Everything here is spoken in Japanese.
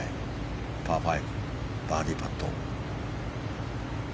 パー５バーディーパット。